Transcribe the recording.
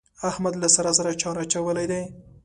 احمد له سارا سره چار اچولی دی.